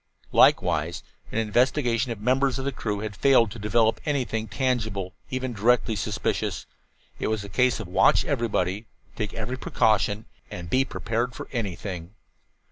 Likewise an investigation of the members of the crew had failed to develop anything tangible, even directly suspicious. It was a case of watch everybody, take every precaution, and be prepared for anything.